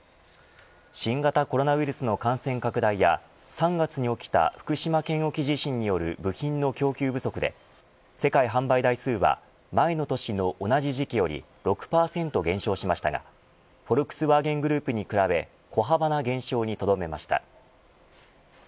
新型コロナウイルスの感染拡大や３月に起きた福島県沖地震による部品の供給不足で世界販売台数は前の年の同じ時期より６％減少しましたがフォルクスワーゲングループに比べ小幅な減少にとどめました。